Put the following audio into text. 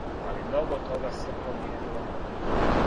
Али много тога се промијенило.